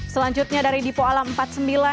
selanjutnya dari dipo alam empat puluh sembilan